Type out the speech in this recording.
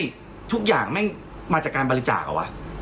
บัญชาการแม่งมาจากการบริจาคเหรอวะ